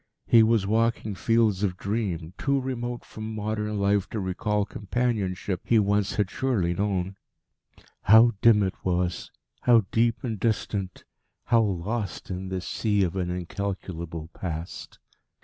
He was walking fields of dream, too remote from modern life to recall companionship he once had surely known. How dim it was, how deep and distant, how lost in this sea of an incalculable Past!